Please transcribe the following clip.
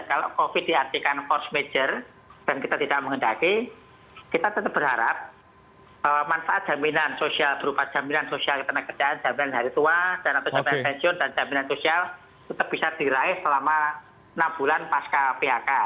kalau covid diartikan force major dan kita tidak mengendaki kita tetap berharap bahwa manfaat jaminan sosial berupa jaminan sosial ketenaga kerjaan jaminan hari tua dan atau jaminan pensiun dan jaminan sosial tetap bisa diraih selama enam bulan pasca phk